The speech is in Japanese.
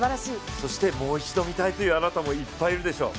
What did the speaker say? そしてもう一度見たいというあなたいっぱいいるでしょう。